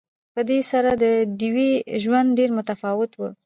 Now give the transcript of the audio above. په دې سره د ډیوې ژوند ډېر متفاوت وو